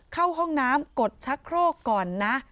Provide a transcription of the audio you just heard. เข้าห้องน้ำกดชักโครกก่อนนะ